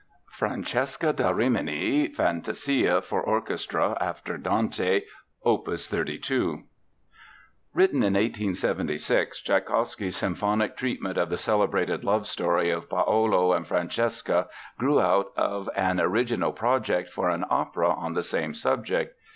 Francesca da Rimini, FANTASIA FOR ORCHESTRA (AFTER DANTE), OPUS 32 Written in 1876, Tschaikowsky's symphonic treatment of the celebrated love story of Paolo and Francesca grew out of an original project for an opera on the same subject.